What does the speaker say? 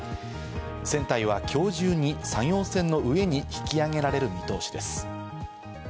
船体は今日中に作業船の上に引き揚げられる見通しです。